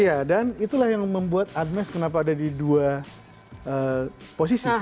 iya dan itulah yang membuat admes kenapa ada di dua posisi